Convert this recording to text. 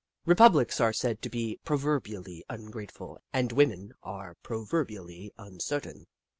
Republics are said to be proverbially ungrateful, and women are proverbially uncertain.